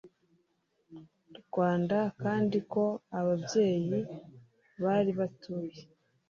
Rwanda kandi ko ababyeyi bari batuye